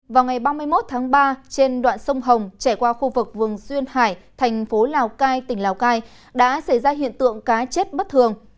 vào ngày ba mươi một tháng ba trên đoạn sông hồng trải qua khu vực vườn duyên hải thành phố lào cai tỉnh lào cai đã xảy ra hiện tượng cá chết bất thường